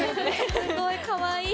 すごいかわいい。